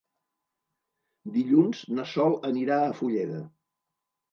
Dilluns na Sol anirà a Fulleda.